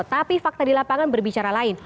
tapi fakta di lapangan berbicara lain